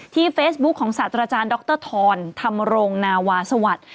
เฟซบุ๊คของศาสตราจารย์ดรธรธรรมรงนาวาสวัสดิ์